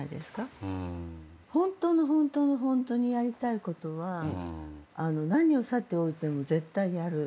ホントのホントのホントにやりたいことは何をさておいても絶対やる。